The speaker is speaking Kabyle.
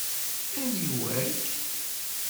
Aniwa-k?